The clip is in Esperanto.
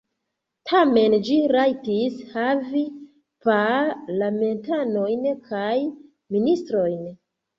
Tamen ĝi rajtis havi parlamentanojn kaj ministrojn.